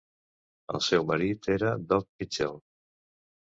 El seu marit era Doc Mitchell.